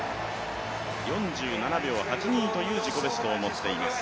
４７秒８２という自己ベストを持っています。